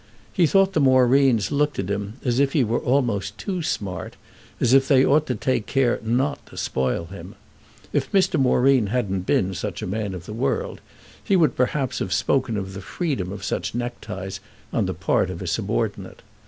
He thought the Moreens looked at him as if he were almost too smart, as if they ought to take care not to spoil him. If Mr. Moreen hadn't been such a man of the world he would perhaps have spoken of the freedom of such neckties on the part of a subordinate.